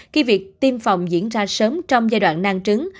khi việc tiêm phòng diễn ra sớm trong giai đoạn nang trứng